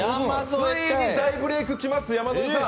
ついに大ブレイク来ます、山添さん！